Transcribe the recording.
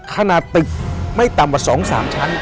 ขนาดตึกไม่ต่ำกว่าสองสามชั้น